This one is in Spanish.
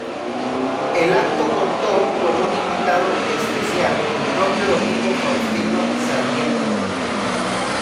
El acto contó con un invitado especial: el propio Domingo Faustino Sarmiento.